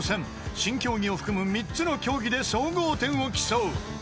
［新競技を含む３つの競技で総合点を競う］